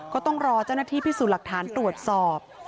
ก็ต้องรอเจ้าหน้าที่พิสูจน์หลักฐานตรวจสอบ